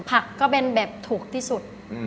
ก็เป็นแบบถูกที่สุด